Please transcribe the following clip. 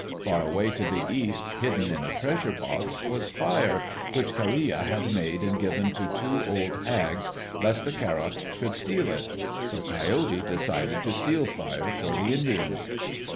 Far away to the east, hidden in a treasure box, was fire which Kareya had made and given to two old hags, lest the Karoks should steal it. So Coyote decided to steal fire for the Indians.